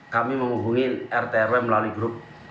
kami menghubungi rt rw melalui grup